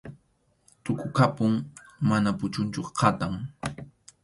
Tukukapun, mana puchunchu, kʼatam.